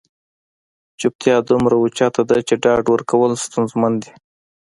چوپتیا دومره اوچته ده چې ډاډ ورکول ستونزمن دي.